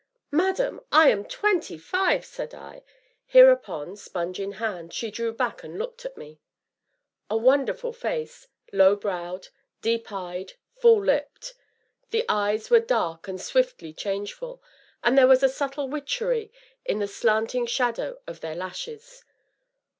"Madam, I am twenty five!" said I. Hereupon, sponge in hand, she drew back and looked at me. A wonderful face low browed, deep eyed, full lipped. The eyes were dark and swiftly changeful, and there was a subtle witchery in the slanting shadow of their lashes.